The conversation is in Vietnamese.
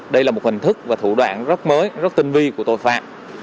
đây là một hình thức và thủ đoạn rất mới rất tinh vi của tội phạm